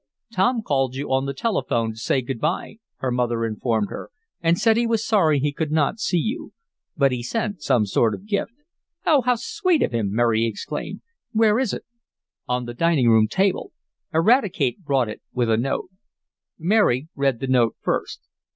"Tom called you on the telephone to say good bye," her mother informed her, "and said he was sorry he could not see you. But he sent some sort of gift." "Oh, how sweet of him!" Mary exclaimed. "Where is it?" "On the dining room table. Eradicate brought it with a note." Mary read the note first.